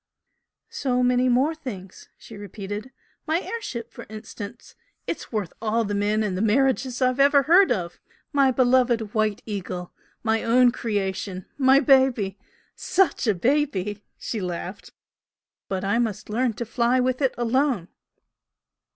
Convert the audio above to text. "So many more things!" she repeated "My air ship for instance! it's worth all the men and all the marriages I've ever heard of! My beloved 'White Eagle!' my own creation my baby SUCH a baby!" She laughed. "But I must learn to fly with it alone!"